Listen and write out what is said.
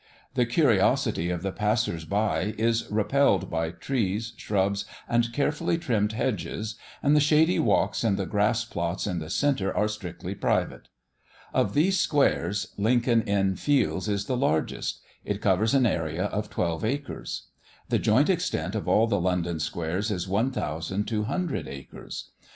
The curiosity of the passers by is repelled by trees, shrubs, and carefully trimmed hedges, and the shady walks and the grassplots in the centre are strictly private. Of these squares, Lincoln's Inn Fields is the largest; it covers an area of twelve acres. The joint extent of all the London squares is one thousand two hundred acres.